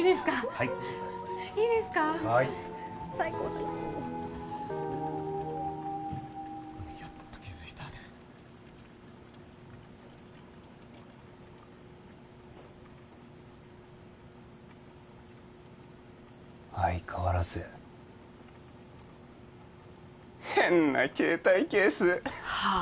はーい最高だよやっと気づいたね相変わらず変な携帯ケースはあ？